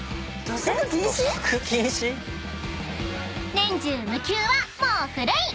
［年中無休はもう古い！］